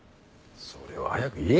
それを早く言え。